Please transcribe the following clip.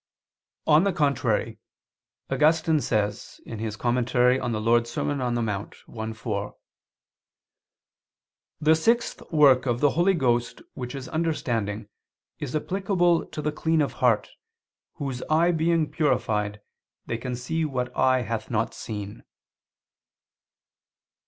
On the contrary, Augustine says (De Serm. Dom. in Monte i, 4): "The sixth work of the Holy Ghost which is understanding, is applicable to the clean of heart, whose eye being purified, they can see what eye hath not seen."